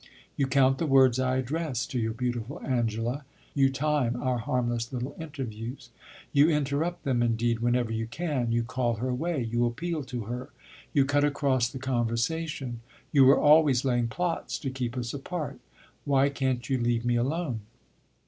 You count the words I address to your beautiful Angela you time our harmless little interviews. You interrupt them indeed whenever you can; you call her away you appeal to her; you cut across the conversation. You are always laying plots to keep us apart. Why can't you leave me alone?